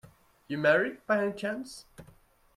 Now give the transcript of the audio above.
You married, by any chance?